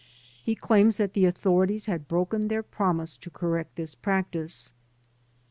He claims that the authorities had broken their promise to correct this practice.